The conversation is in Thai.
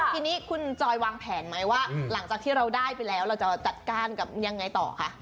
ทีนี้คุณจอยวางแผนไหมว่าหลังจากที่เราได้ไปแล้วเราจะจัดการกับยังไงต่อคะ